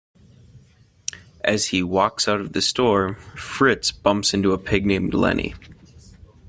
As he walks out of the store, Fritz bumps into a pig named Lenny.